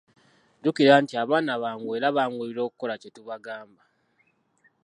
Jjukira nti abaana bangu era banguyirwa okukola kye tubangamba.